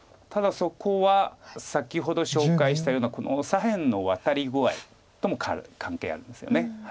ただそこは先ほど紹介したような左辺のワタリ具合とも関係あるんですよね。